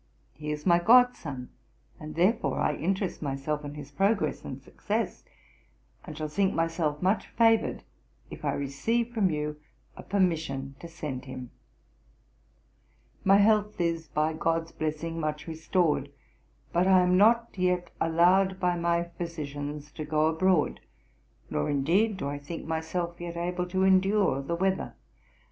He is my god son, and therefore I interest myself in his progress and success, and shall think myself much favoured if I receive from you a permission to send him. 'My health is, by GOD'S blessing, much restored, but I am not yet allowed by my physicians to go abroad; nor, indeed, do I think myself yet able to endure the weather.